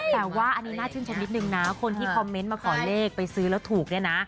แต่ว่าอันนี้น่าชื่นชมนิดนึงนะคนที่คอมเมนต์มาขอเลขไปซื้อแล้วถูกเนี่ยนะ